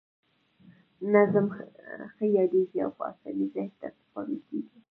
نظم ښه یادیږي او په اسانۍ ذهن ته سپارل کیږي.